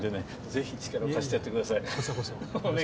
ぜひ力を貸してやってください・いやいや